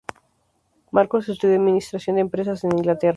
Marcos estudió Administración de empresas en Inglaterra.